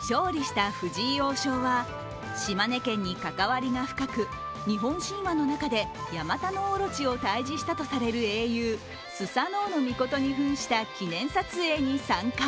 勝利した藤井王将は、島根県に関わりが深く、日本神話の中でヤマタノオロチを退治したとされる英雄・須佐之男命にふんした記念撮影に参加。